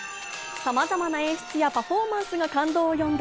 さまざまな演出やパフォーマンスが感動を呼んだ